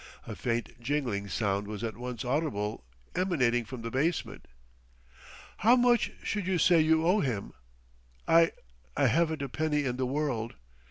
A faint jingling sound was at once audible, emanating from the basement. "How much should you say you owe him?" "I I haven't a penny in the world!"